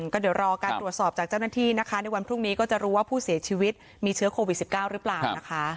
ก็เดี๋ยวรอการตรวจสอบจากเจ้าหน้าที่นะคะในวันพรุ่งนี้ก็จะรู้ว่าผู้เสียชีวิตมีเชื้อโควิด๑๙หรือเปล่านะคะ